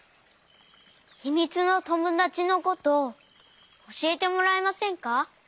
ひみつのともだちのことおしえてもらえませんか？